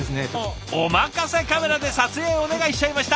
お任せカメラで撮影お願いしちゃいました！